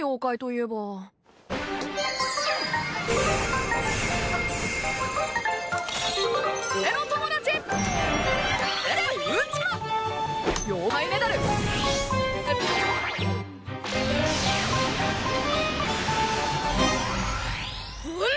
えっ！